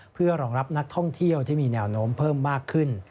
เพื่อรองรับนักท่องเที่ยวที่มีแนวโน้มเพิ่มมากขึ้น